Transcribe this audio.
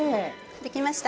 できました。